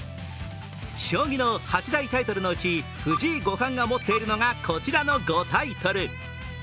将棋の８大タイトルのうち藤井五冠が持っているのがこちらの５タイトル。